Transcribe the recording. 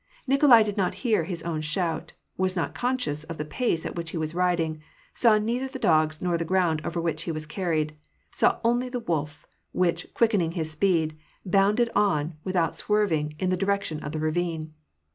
Nikolai did not hear his own shout, was not conscious of the pace at which he was riding, saw neither the dogs nor the ground over which he was carried ; saw only the wolf, which, quickening his speed, bounded on, without swerving, in the direction of the ravine.